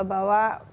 bahwa pak yasin